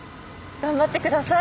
頑張って下さい！